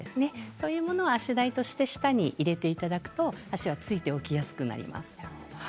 そういうものを足台として下に入れていただくと足がついて置きやすくなります。